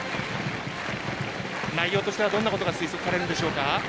内容としてはどんなことが推測されるでしょうか。